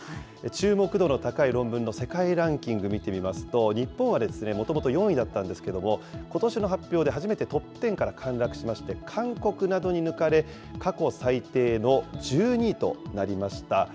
注目度の高い論文の世界ランキング見てみますと、日本はもともと４位だったんですけれども、ことしの発表で初めてトップ１０から陥落しまして、韓国などに抜かれ、過去最低の１２位となりました。